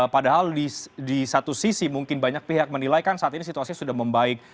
padahal di satu sisi mungkin banyak pihak menilaikan saat ini situasinya sudah membaik